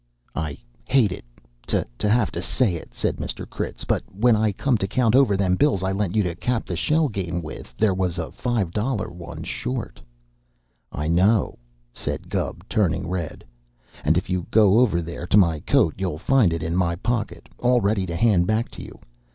"I hate it, to have to say it," said Mr. Critz, "but when I come to count over them bills I lent you to cap the shell game with, there was a five dollar one short." "I know," said Gubb, turning red. "And if you go over there to my coat, you'll find it in my pocket, all ready to hand back to you.